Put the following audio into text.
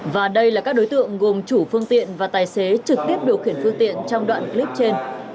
và đây là các đối tượng gồm chủ phương tiện và tài xế trực tiếp điều khiển phương tiện trong đoạn clip trên